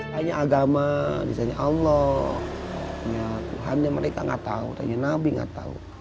tanya agama tanya allah tanya tuhan yang mereka tidak tahu tanya nabi yang tidak tahu